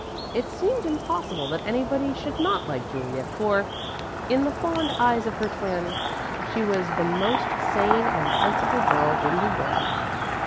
It seemed impossible that anybody should not like Juliet, for, in the fond eyes of her twin, she was the most sane and sensible girl in the world.